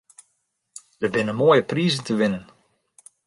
Der binne moaie prizen te winnen.